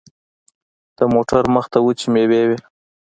د موټر مخته وچې مېوې وې.